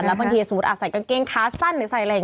แล้วบางทีสมมติอาจใส่กางเกงค้าสั้น